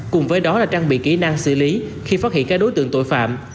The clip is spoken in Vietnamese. cùng với đó là trang bị kỹ năng xử lý khi phát hiện các đối tượng tội phạm